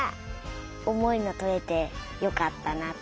おもいのとれてよかったな。